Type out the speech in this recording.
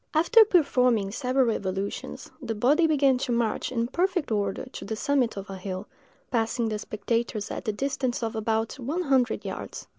After performing several evolutions, the body began to march in perfect order to the summit of a hill, passing the spectators at the distance of about one hundred yards.